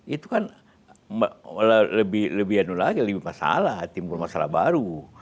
itu kan lebih masalah timbul masalah baru